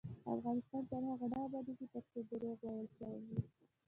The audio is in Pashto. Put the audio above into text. افغانستان تر هغو نه ابادیږي، ترڅو درواغ ویل شرم وي.